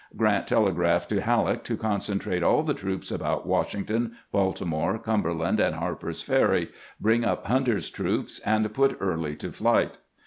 Grant telegraphed to Hal leck to concentrate all the troops about Washington, EAELY'S EAID ON WASHINGTON 237 Baltimore, Cumberland, and Harper's Ferry, bring up Hunter's troops, and put Early to flight.